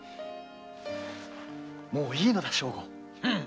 もういいのだ正吾。